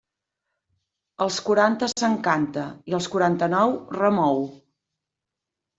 Als quaranta s'encanta, i als quaranta-nou remou.